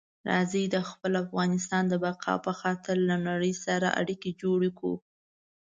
راځئ د خپل افغانستان د بقا په خاطر له نړۍ سره اړیکي جوړې کړو.